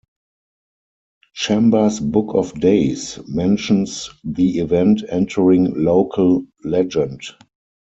"Chambers Book of Days" mentions the event entering local legend.